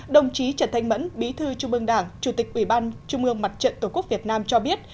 đồng chí trần thanh mẫn bí thư trung ương đảng chủ tịch ủy ban trung ương mặt trận tổ quốc việt nam cho biết